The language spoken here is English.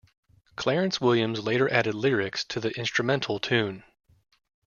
Clarence Williams later added lyrics to the instrumental tune.